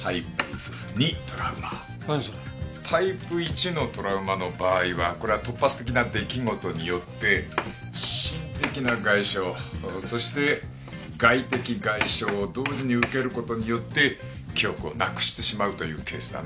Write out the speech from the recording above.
タイプ１のトラウマの場合はこれは突発的な出来事によって心的な外傷そして外的外傷を同時に受ける事によって記憶をなくしてしまうというケースだな。